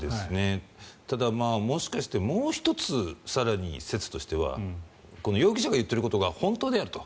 ただ、もしかしてもう１つ更に説としては容疑者が言っていることが本当であると。